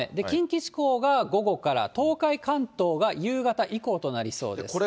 近畿地方が午後から、東海、関東が夕方以降となりそうです。